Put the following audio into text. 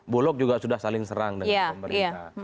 bulog juga sudah saling serang dengan pemerintah